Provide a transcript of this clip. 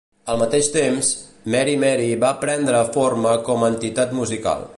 Al mateix temps, Mary Mary va prendre forma com a entitat musical.